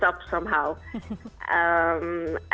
dia akan diambil